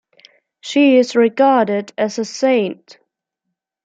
She is regarded as a saint.